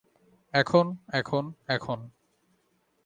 এখন, এখন, এখন।